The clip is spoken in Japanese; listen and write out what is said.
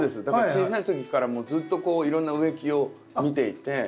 だから小さい時からもうずっといろんな植木を見ていて。